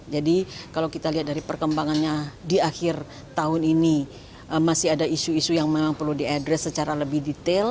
jadi kalau kita lihat dari perkembangannya di akhir tahun ini masih ada isu isu yang memang perlu diadres secara lebih detail